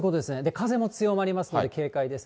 風も強まりますので、警戒です。